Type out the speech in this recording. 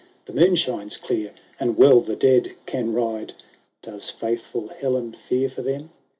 The moon shines clear, And well the dead can ride ; Does faithful Helen fear for them